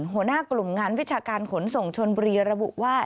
หัวหน้ากลุ่มงานวิชาการขนส่งชนบุรีระบุว่า